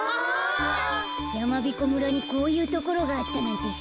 やまびこ村にこういうところがあったなんてしらなかったなあ。